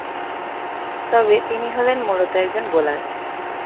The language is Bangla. তবে তিনি হলেন মূলত একজন বোলার।